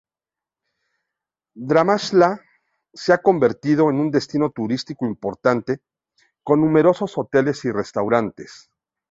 Dharamsala se ha convertido en un destino turístico importante, con numerosos hoteles y restaurantes.